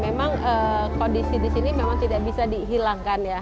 memang kondisi di sini memang tidak bisa dihilangkan ya